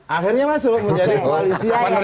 akhirnya masuk menjadi koalisi yang diperluas